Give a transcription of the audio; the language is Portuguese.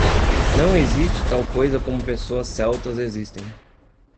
Não existe tal coisa como pessoas celtas existem.